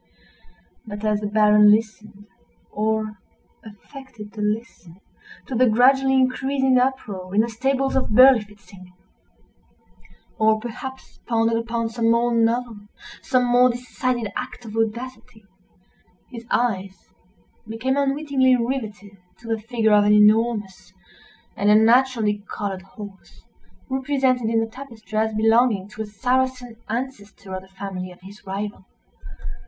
But as the Baron listened, or affected to listen, to the gradually increasing uproar in the stables of Berlifitzing—or perhaps pondered upon some more novel, some more decided act of audacity—his eyes became unwittingly rivetted to the figure of an enormous, and unnaturally colored horse, represented in the tapestry as belonging to a Saracen ancestor of the family of his rival.